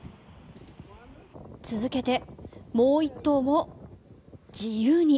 続けてもう１頭も自由に。